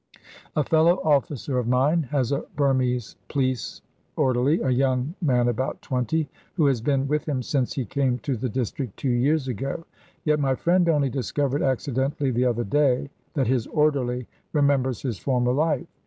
A fellow officer of mine has a Burmese police orderly, a young man about twenty, who has been with him since he came to the district two years ago. Yet my friend only discovered accidentally the other day that his orderly remembers his former life.